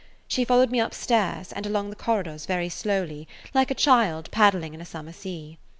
She followed me up stairs and [Page 152] along the corridors very slowly, like a child paddling in a summer sea.